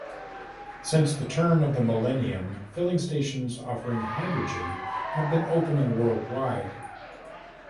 Since the turn of the millennium, filling stations offering hydrogen have been opening worldwide.